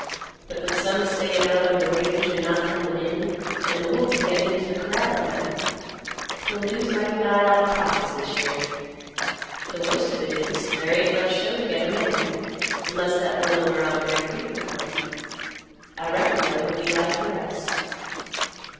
But with some a stayin' out on the range, an' not comin' in, an' the wolves a gettin' into the corral at night, we'll lose mighty nigh all the profits this year. The worst of it is, there ain't much show to get a man; unless that one over on Bear Creek will come. I reckon, though, he'll be like the rest."